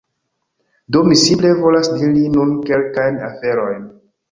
Do mi simple volas diri nun kelkajn aferojn